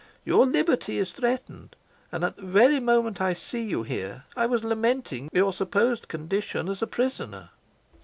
Your liberty is threatened, and at the very moment I see you here I was lamenting your supposed condition as a prisoner."